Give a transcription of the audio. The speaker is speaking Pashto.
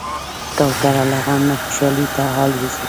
کوتره له غم نه خوشحالي ته الوزي.